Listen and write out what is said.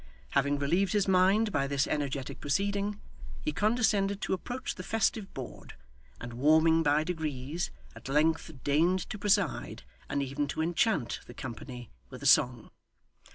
Having relieved his mind by this energetic proceeding, he condescended to approach the festive board, and warming by degrees, at length deigned to preside, and even to enchant the company with a song.